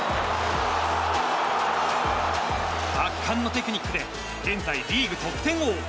圧巻のテクニックで現在、リーグ得点王。